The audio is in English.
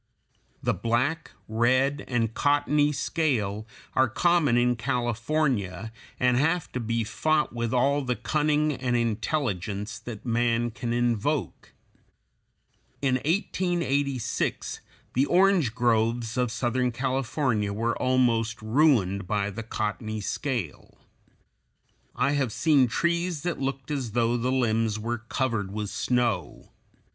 The black, red, and cottony scale are common in California, and have to be fought with all the cunning and intelligence that man can invoke. In 1886 the orange groves of southern California were almost ruined by the cottony scale. I have seen trees that looked as though the limbs were covered with snow.